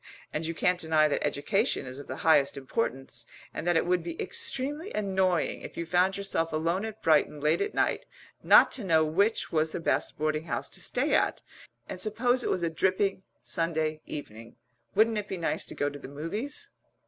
And you can't deny that education is of the highest importance, and that it would be extremely annoying, if you found yourself alone at Brighton late at night, not to know which was the best boarding house to stay at, and suppose it was a dripping Sunday evening wouldn't it be nice to go to the Movies?"